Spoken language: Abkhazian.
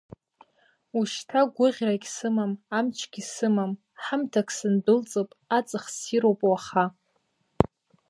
Ушьҭа гәыӷрагь сымам, амчгьы сымам, ҳамҭак сындәылҵып, аҵых ссируп уаха.